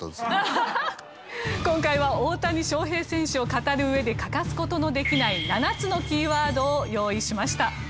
今回は大谷翔平選手を語る上で欠かす事のできない７つのキーワードを用意しました。